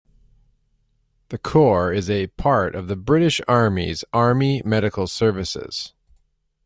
The corps is a part of the British Army's Army Medical Services.